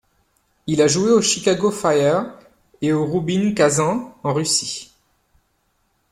Il a joué au Chicago Fire et au Roubine Kazan, en Russie.